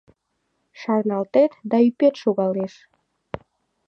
Шарналтет, да ӱпет шогалеш!